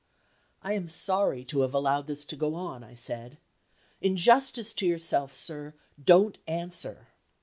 "I am sorry to have allowed this to go on," I said. "In justice to yourself, sir, don't answer!"